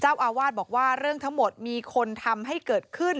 เจ้าอาวาสบอกว่าเรื่องทั้งหมดมีคนทำให้เกิดขึ้น